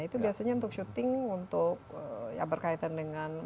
itu biasanya untuk syuting untuk ya berkaitan dengan